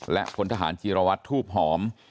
และพลทหารจีรวัตรทูบหอม